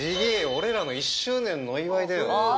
俺らの１周年のお祝いだよああ！